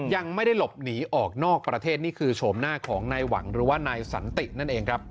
ยังไม่ได้หลบหนีออกนอกประเทศนี่คือโฉมหน้าของนายหวังหรือว่านายสันตินั่นเองครับ